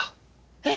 えっ！